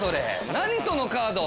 何そのカード。